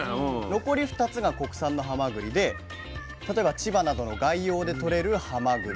残り２つが国産のハマグリで例えば千葉などの外洋でとれるハマグリ。